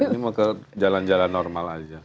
ini mau ke jalan jalan normal aja